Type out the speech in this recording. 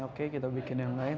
oke kita bikin yang lain